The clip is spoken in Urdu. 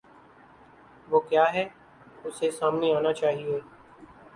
وہ کیا ہے، اسے سامنے آنا چاہیے۔